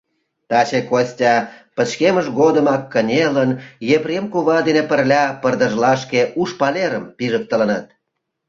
Таче Костя пычкемыш годымак кынелын, Епрем кува дене пырля пырдыжлашке у шпалерым пижыктылыныт.